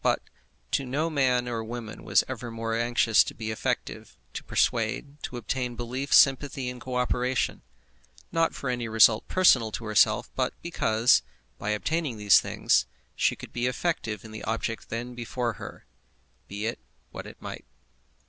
But no man or woman was ever more anxious to be effective, to persuade, to obtain belief, sympathy, and co operation; not for any result personal to herself, but because, by obtaining these things, she could be effective in the object then before her, be it what it might.